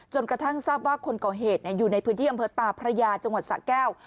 กระทั่งทราบว่าคนก่อเหตุอยู่ในพื้นที่อำเภอตาพระยาจังหวัดสะแก้ว